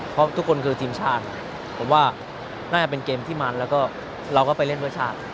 เพราะทุกคนคือทีมชาติผมว่าน่าจะเป็นเกมที่มันแล้วก็เราก็ไปเล่นเพื่อชาติ